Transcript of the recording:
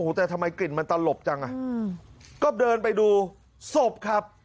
แต่ทำไมกลิ่นมันตลบจังอ่ะก็เดินไปดูศพครับ